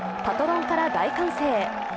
パトロンから大歓声。